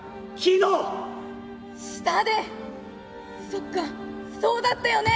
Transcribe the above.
そっかそうだったよね」。